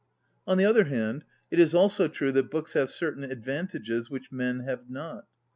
On the other hand, it is also true that books have certain advantages which men have not.